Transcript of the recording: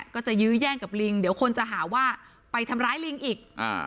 ก็จะยื้อแย่งกับลิงเดี๋ยวคนจะหาว่าไปทำร้ายลิงอีก